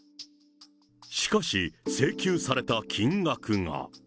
しかし、請求された金額が。